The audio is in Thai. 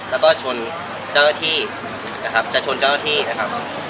แล้วก็ชนเจ้าหน้าที่นะครับจะชนเจ้าหน้าที่นะครับ